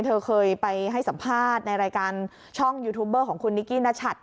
เธอเคยไปให้สัมภาษณ์ในรายการช่องยูทูบเบอร์ของคุณนิกกี้นัชัด